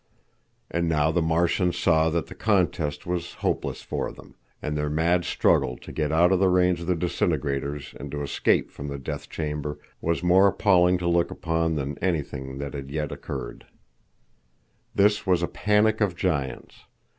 And now the Martians saw that the contest was hopeless for them, and their mad struggle to get out of the range of the disintegrators and to escape from the death chamber was more appalling to look upon than anything that had yet occurred. It was a panic of giants.